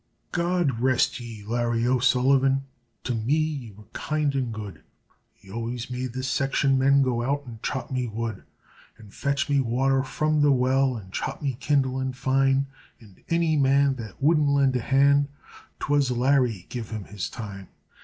God rest ye, Larry O'Sullivan, to me ye were kind and good; Ye always made the section men go out and chop me wood; An' fetch me wather from the well an' chop me kindlin' fine; And any man that wouldn't lind a hand, 'twas Larry give him his Time.